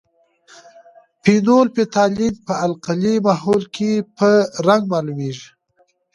فینول فتالین په القلي محلول کې په رنګ معلومیږي.